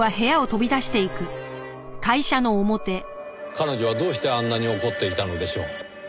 彼女はどうしてあんなに怒っていたのでしょう？